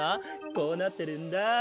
こうなってるんだ。